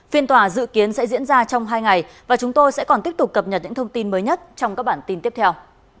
phiên tòa dự kiến sẽ diễn ra trong hai ngày và chúng tôi sẽ còn tiếp tục cập nhật những thông tin mới nhất trong các bản tin tiếp theo